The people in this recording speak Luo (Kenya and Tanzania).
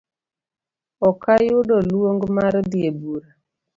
Okayudo luong mar dhi ebura